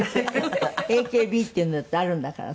ＡＫＢっていうのだってあるんだからさ。